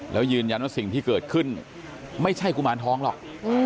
แล้วยืนยันว่าสิ่งที่เกิดขึ้นไม่ใช่กุมารทองหรอก